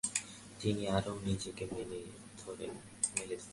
তিনি আরও নিজেকে মেলে ধরেন।